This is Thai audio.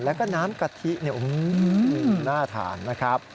แล้วก็น้ำกะทิน่าทานนะครับ